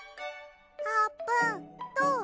あーぷんどう？